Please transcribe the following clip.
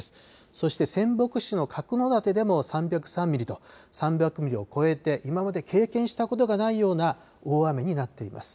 そして仙北市の角館でも３０３ミリと３００ミリを超えて今まで経験したことがないような大雨になっています。